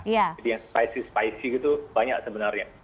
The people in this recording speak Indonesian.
jadi yang spicy spicy gitu banyak sebenarnya